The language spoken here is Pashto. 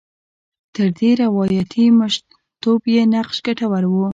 تر دې روایاتي مشرتوب یې نقش ګټور و.